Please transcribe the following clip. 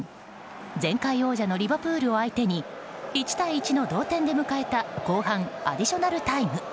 前回王者のリバプールを相手に１対１の同点で迎えた後半アディショナルタイム。